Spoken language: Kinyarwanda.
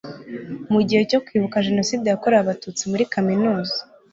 mu gihe cyo kwibuka jenoside yakorewe abatutsi muri kaminuza